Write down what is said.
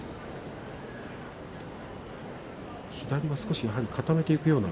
左はやはり少し固めていくような。